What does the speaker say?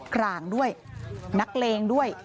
กลางด้วยนักเลงด้วย